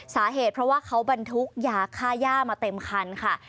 สาเหตุเพราะว่าเขาบรรทุกยาค่าย่ามาเต็มคันค่ะ